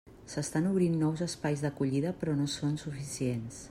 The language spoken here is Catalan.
S'estan obrint nous espais d'acollida, però no són suficients.